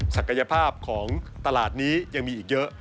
ศักยภาพของตลาดนี้ยังมีอีกเยอะ